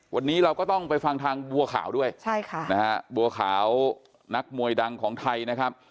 วันนี้เราก็ต้องไปฟังทางบัวขาวด้วยใช่ค่ะนะฮะบัวขาวนักมวยดังของไทยนะครับ